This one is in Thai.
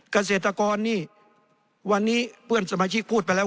เกษตรกรนี่วันนี้เพื่อนสมาชิกพูดไปแล้ว